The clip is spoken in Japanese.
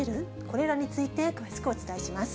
これらについて詳しくお伝えします。